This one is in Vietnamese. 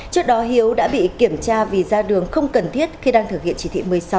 trước đó hiếu đã bị kiểm tra vì ra đường không cần thiết khi đang thực hiện chỉ thị một mươi sáu